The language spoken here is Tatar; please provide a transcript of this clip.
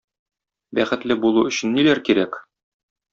Бәхетле булу өчен ниләр кирәк?